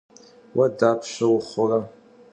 Vue dapşe vuxhure?